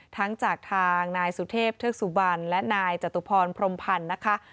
ทั้งจากทางนายสุเทพธุรกษุบันและนายจัตรุพรพรรมพันธุ์